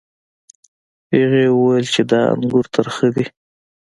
هغې وویل چې دا انګور ترخه دي.